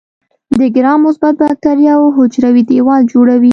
د ګرام مثبت باکتریاوو حجروي دیوال جوړوي.